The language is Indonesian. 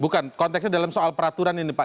bukan konteksnya dalam soal peraturan ini pak